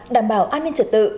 đảm bảo an ninh trật tự